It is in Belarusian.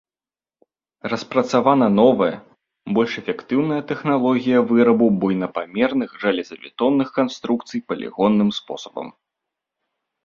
Распрацавана новая, больш эфектыўная тэхналогія вырабу буйнапамерных жалезабетонных канструкцый палігонным спосабам.